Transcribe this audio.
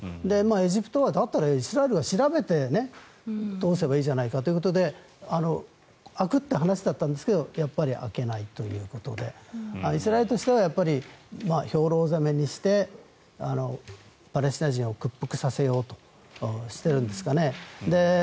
エジプトはだったらイスラエルが調べて通せばいいじゃないかということで開くって話だったんですが開けないということでイスラエルとしては兵糧攻めにしてパレスチナ人を屈服させようとしているんですかね。